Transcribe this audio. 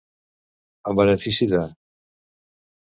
En benefici de.